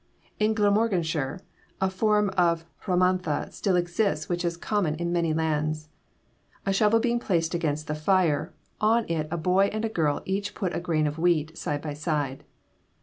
In Glamorganshire a form of rhamanta still exists which is common in many lands. A shovel being placed against the fire, on it a boy and a girl put each a grain of wheat, side by side.